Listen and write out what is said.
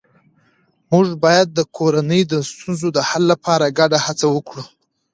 موږ باید د کورنۍ د ستونزو د حل لپاره ګډه هڅه وکړو